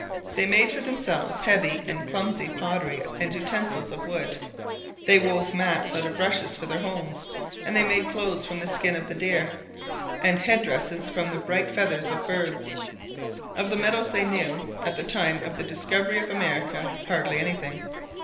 They made for themselves heavy and clumsy pottery and utensils of wood, they wove mats out of rushes for their houses, and they made clothes from the skin of the deer, and head dresses from the bright feathers of birds. Of the metals they knew, at the time of the discovery of America, hardly anything.